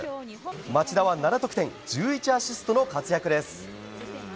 町田は７得点１１アシストの活躍です。